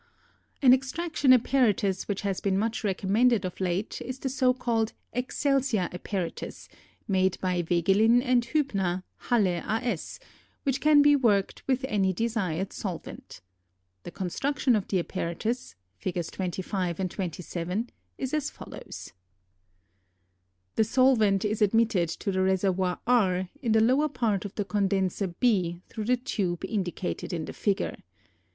An extraction apparatus which has been much recommended of late is the so called "Excelsior Apparatus" made by Wegelin and Huebner, Halle a. S., which can be worked with any desired solvent. The construction of the apparatus (Figs. 25 and 26) is as follows. [Illustration: FIG. 25.] [Illustration: FIG. 26.] The solvent is admitted to the reservoir R in the lower part of the condenser B through the tube indicated in the figure.